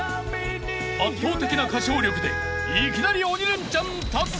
［圧倒的な歌唱力でいきなり鬼レンチャン達成］